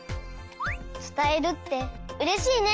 つたえるってうれしいね！